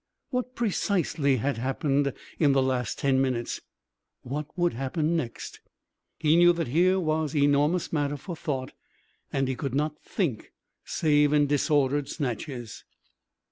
What precisely had happened in the last ten minutes? What would happen next? He knew that here was enormous matter for thought, and he could not think save in disordered snatches.